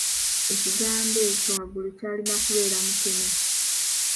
Ekigambo ekyo waggulu kyalina kubeera "mukene"